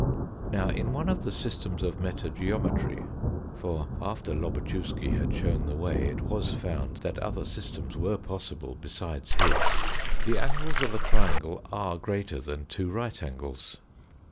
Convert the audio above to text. Now in one of the systems of metageometry (for after Lobatchewsky had shown the way it was found that other systems were possible besides his) the angles of a triangle are greater than two right angles.